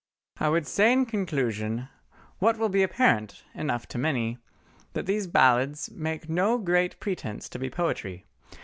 I would say in conclusion what will be apparent enough to many, that these Ballads make no great pretence to be poetry.